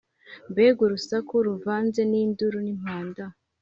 Mbega urusaku ruvanze n’induru n’impanda;